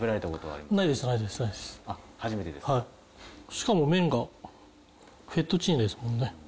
しかも麺がフェットチーネですもんね。